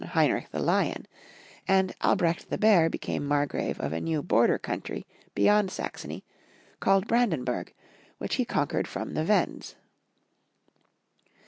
Heinrieh the Lion, and Albrecht the Bear be came Margrave of a new border country beyond Saxony, called Brandenburg, which he conquered from the Wends.